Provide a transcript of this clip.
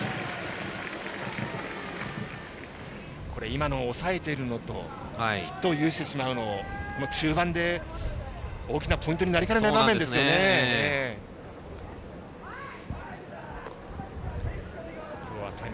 今のを抑えているのとヒットを許してしまうのとこの中盤で、大きなポイントになりかねない場面でした。